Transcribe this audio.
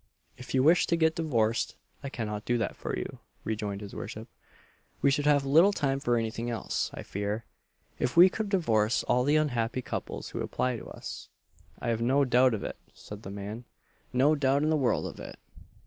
"If you wish to get divorced, I cannot do that for you," rejoined his worship: "we should have little time for any thing else, I fear, if we could divorce all the unhappy couples who apply to us!" "I have no doubt of it," said the man "no doubt in the world of it!